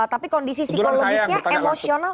tapi kondisi psikologisnya emosional